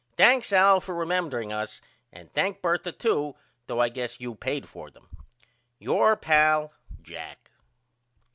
Thanks Al for remembering us and thank Bertha too though I guess you paid for them. Your pal, JACK.